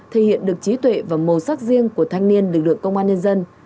thể hiện được trí tuệ và màu sắc riêng của thanh niên lực lượng công an nhân dân